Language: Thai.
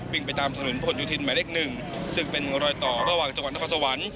ไปตามถนนผลโยธินหมายเลข๑ซึ่งเป็นรอยต่อระหว่างจังหวัดนครสวรรค์